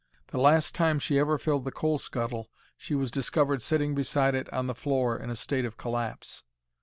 The last time she ever filled the coal scuttle she was discovered sitting beside it on the floor in a state of collapse.